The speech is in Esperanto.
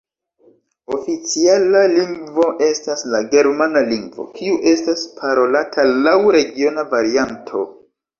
Oficiala lingvo estas la Germana lingvo, kiu estas parolata laŭ regiona varianto.